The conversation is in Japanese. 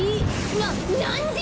ななんで！？